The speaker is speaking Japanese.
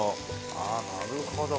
ああなるほど。